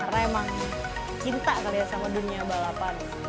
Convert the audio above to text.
karena emang cinta kan ya sama dunia balapan